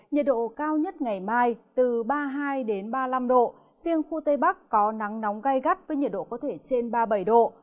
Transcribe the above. nhiệt độ cao nhất ngày mai từ ba mươi hai ba mươi năm độ riêng khu tây bắc có nắng nóng gai gắt với nhiệt độ có thể trên ba mươi bảy độ